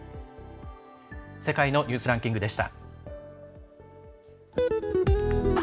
「世界のニュースランキング」でした。